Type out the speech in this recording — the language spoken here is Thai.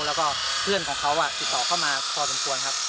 แล้วก็เพื่อนของเขาติดต่อเข้ามาพอสมควรครับ